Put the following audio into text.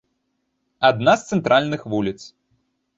Адна з цэнтральных вуліц.